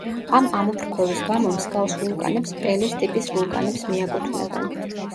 ამ ამოფრქვევის გამო მსგავს ვულკანებს პელეს ტიპის ვულკანებს მიაკუთვნებენ.